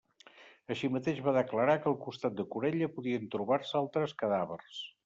Així mateix va declarar que al costat de Corella podrien trobar-se altres cadàvers.